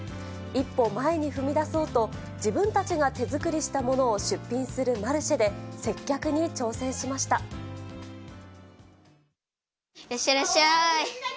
一歩前に踏み出そうと、自分たちが手作りしたものを出品するマルシェで、接客に挑戦しまいらっしゃい、いらっしゃい。